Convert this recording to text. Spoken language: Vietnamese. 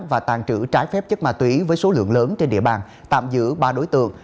và tàn trữ trái phép chất ma túy với số lượng lớn trên địa bàn tạm giữ ba đối tượng